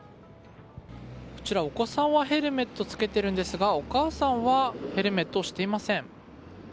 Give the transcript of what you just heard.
こちら、お子さんはヘルメットをしているんですがお母さんはヘルメットをしていません。